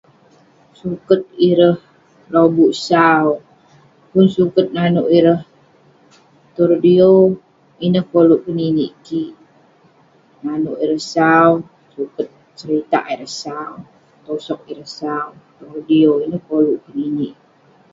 Suket ireh lobuk sau. Pun suket nanouk ireh tong radio, ineh koluk keninik kik. Nanouk ireh sau, suket- seritak ireh sau, tosog ireh sau. Tong radio, ineh koluk keninik.